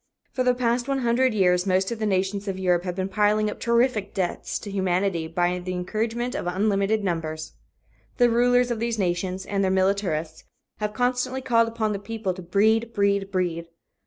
For the past one hundred years most of the nations of Europe have been piling up terrific debts to humanity by the encouragement of unlimited numbers. The rulers of these nations and their militarists have constantly called upon the people to breed, breed, breed!